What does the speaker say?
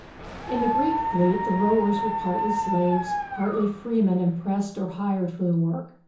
In the Greek fleet the rowers were partly slaves, partly freemen impressed or hired for the work.